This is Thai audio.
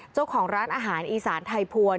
เจ้าของร้านอาหารอีสานไทยพวน